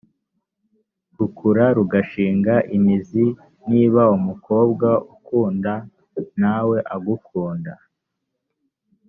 rukura rugashinga imizi niba umukobwa ukunda na we agukunda